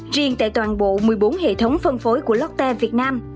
riêng tại toàn bộ một mươi bốn hệ thống phân phối của lotte việt nam